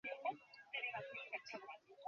তিনি এই উক্তি করেন।